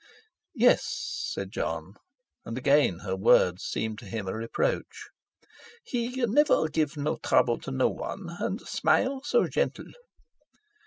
"Yes," said Jon. And again her words seemed to him a reproach. "He never give no trouble to no one, and smile so gentle."